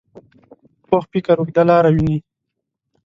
پوخ فکر اوږده لاره ویني